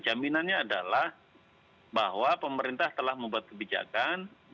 jaminannya adalah bahwa pemerintah telah membuat kebijakan